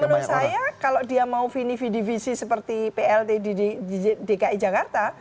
menurut saya kalau dia mau vini vidi visi seperti plt di dki jakarta